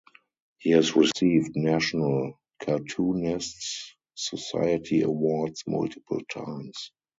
He has received National Cartoonists Society awards multiple times.